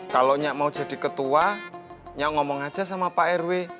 kalau mau jadi ketua ya ngomong aja sama pak rw